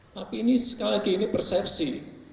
tapi ini sekali lagi ini persepsi